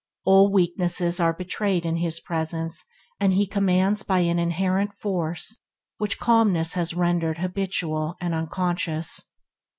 All weaknesses are betrayed in his presence, and he commands by an inherent force which calmness has rendered habitual and unconscious.